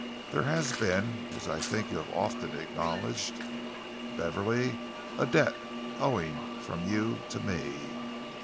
There has been, as I think you have often acknowledged, Beverley, a debt owing from you to me.